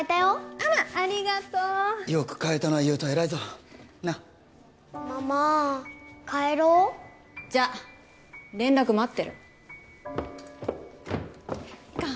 あらありがとうよく買えたな優人偉いぞなっママ帰ろうじゃあ連絡待ってる行こっ